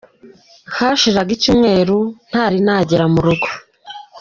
Hashiraga icyuweru ntari nagera mu rugo.